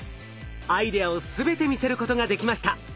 アイデアを全て見せることができました。